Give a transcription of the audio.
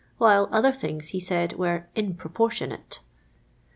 while other things, he said, were ''in propor tionate."